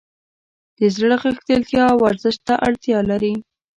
د زړه غښتلتیا ورزش ته اړتیا لري.